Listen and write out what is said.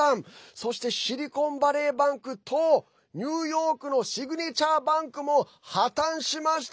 そして、シリコンバレーバンクとニューヨークのシグネチャーバンクも破綻しました。